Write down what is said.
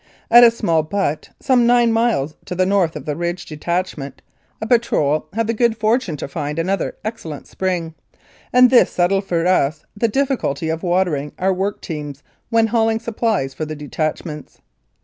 At a small butte, some nine miles to the north of the Ridge detachment, a patrol had the good fortune to find another excellent spring, and this settled for us the difficulty of watering our work teams when hauling supplies for the detachments.